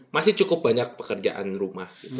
masih cukup banyak pekerjaan rumah